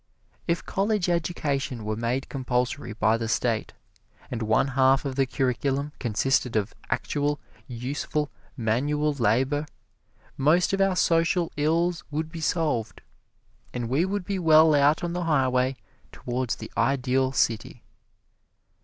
If college education were made compulsory by the State, and one half of the curriculum consisted of actual, useful manual labor, most of our social ills would be solved, and we would be well out on the highway towards the Ideal City.